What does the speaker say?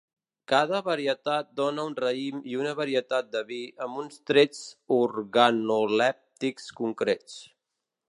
Cada varietat dóna un raïm i una varietat de vi amb uns trets organolèptics concrets.